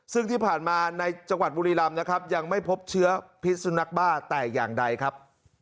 ซึ่งที่ผ่านมาในจังหวัดบุรีรำนะครับยังไม่พบเชื้อพิษสุนักบ้าแต่อย่างใดครับ